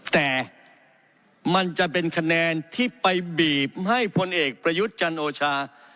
แต่มันจะเป็นคะแนนที่ไปบีบให้พลเอกประยุทธ์จันโอชา